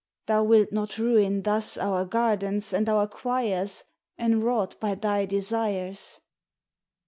Thou wilt not ruin thus Our gardens and our quires Enwrought by thy desires.